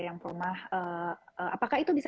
yang promah apakah itu bisa